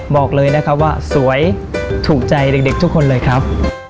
บอกเลยนะครับว่าสวยถูกใจเด็กทุกคนเลยครับ